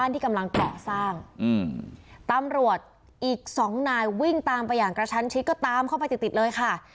ตำรวจอีกสองนายวิ่งตามไปอย่างกระชันชิดก็ตามเข้าไปติดเลยค่ะ